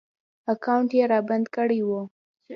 اکاونټ ېې رابند کړی و